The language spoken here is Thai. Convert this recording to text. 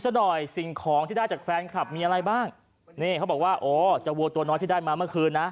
ซะหน่อยสิ่งของที่ได้จากแฟนคลับมีอะไรบ้างนี่เขาบอกว่าโอ้เจ้าวัวตัวน้อยที่ได้มาเมื่อคืนนะ